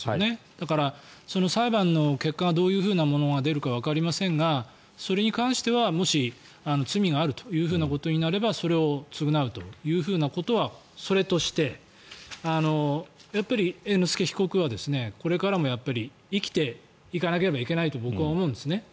だからその裁判の結果がどういうものが出るかはわかりませんが、それに関してはもし罪があるということになればそれを償うというふうなことはそれとしてやっぱり猿之助被告はこれからも生きていかなければいけないと僕は思うんです。